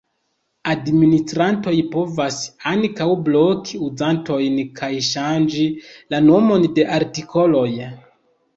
Administrantoj povas ankaŭ bloki uzantojn kaj ŝanĝi la nomon de artikoloj.